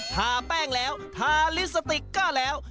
ทาแป้งแล้วทาลิปสติกก็แล้ว